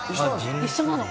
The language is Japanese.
一緒なの。